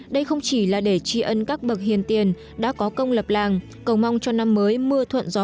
đây không chỉ là để tri ân các bậc tiền đã có công lập làng cầu mong cho năm mới mưa thuận gió